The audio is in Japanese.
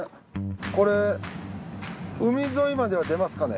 これ海沿いまでは出ますかね？